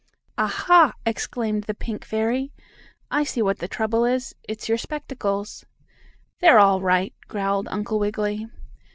"Aha!" exclaimed the pink fairy. "I see what the trouble is. It's your spectacles." "They're all right," growled Uncle Wiggily.